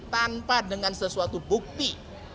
tanpa dengan sesuatu bukti